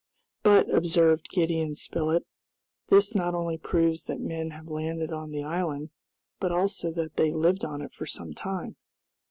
"But," observed Gideon Spilett, "this not only proves that men have landed on the island, but also that they lived on it for some time.